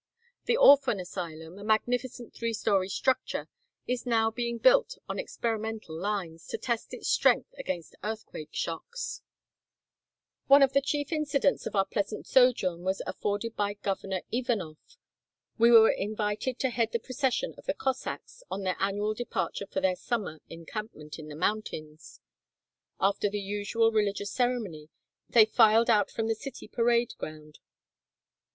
The orphan asylum, a magnificent three story structure, is now being built on experimental lines, to test its strength against earthquake shocks. One of the chief incidents of our pleasant sojourn was IV 125 FANTASTIC RIDING AT THE SUMMER ENCAMPMENT OF THE COSSACKS. afforded by Governor Ivanoff. We were invited to head the procession of the Cossacks on their annual departure for their summer encampment in the mountains. After the usual religious ceremony, they filed out from the city parade ground.